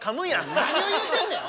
何を言うてんねんおい！